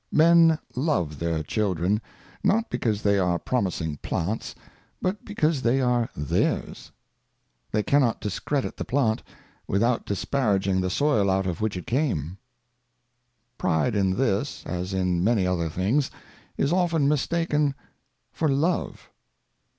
Men love their Children, not because they are promising Plants, but because they are theirs. They cannot discredit the Plant, without disparaging the Soil out of which it came. Pride in this, as in many other things, is often mistaken for Love.